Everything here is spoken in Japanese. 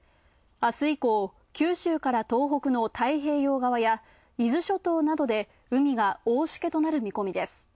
あす以降、九州から東北の太平洋側や伊豆諸島などで海が大しけとなる見込みです。